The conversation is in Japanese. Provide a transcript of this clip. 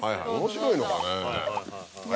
面白いのかね？